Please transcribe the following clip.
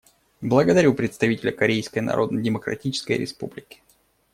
Благодарю представителя Корейской Народно-Демократической Республики.